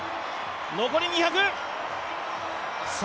残り２００。